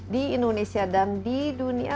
di indonesia dan di dunia